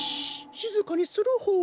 しずかにするホー。